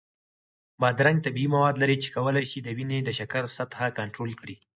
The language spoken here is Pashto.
بادرنګ طبیعي مواد لري چې کولی شي د وینې د شکر سطحه کنټرول کړي.